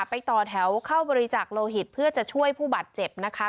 ต่อแถวเข้าบริจักษ์โลหิตเพื่อจะช่วยผู้บาดเจ็บนะคะ